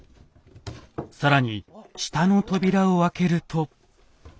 更に下の扉を開けると。